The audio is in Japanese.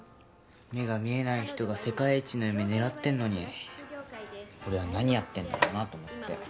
目が見えない人が世界一の夢狙ってんのに俺は何やってんだろうなと思って。